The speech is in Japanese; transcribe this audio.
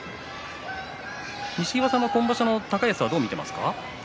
西岩さんも今場所の高安どう見ていますか。